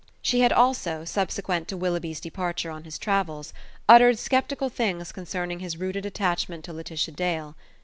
She had also, subsequent to Willoughby's departure on his travels, uttered sceptical things concerning his rooted attachment to Laetitia Dale.